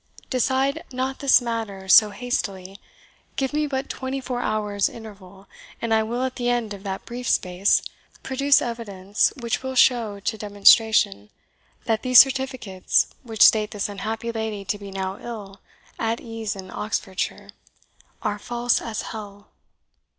Decide not this matter so hastily. Give me but twenty four hours' interval, and I will, at the end of that brief space, produce evidence which will show to demonstration that these certificates, which state this unhappy lady to be now ill at ease in Oxfordshire, are false as hell!"